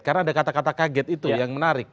karena ada kata kata kaget itu yang menarik